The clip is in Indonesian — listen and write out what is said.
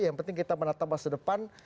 yang penting kita menata masa depan